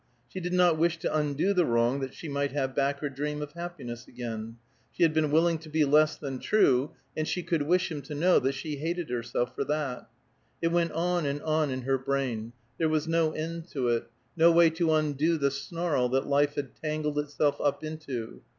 She did not wish to undo the wrong that she might have back her dream of happiness again; she had been willing to be less than true, and she could wish him to know that she hated herself for that. It went on and on, in her brain; there was no end to it; no way to undo the snarl that life had tangled itself up into.